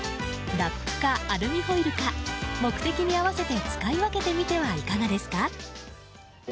ラップかアルミホイルか目的に合わせて使い分けてみてはいかがですか。